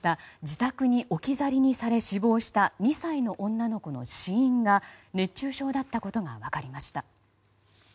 自宅に置き去りにされ死亡した２歳の女の子の死因が熱中症だったことが分かりました。